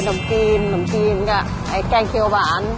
นมจีนกับแก้งเคี้ยวหวาน